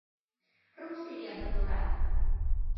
รูปสี่เหลี่ยมจัตุรัส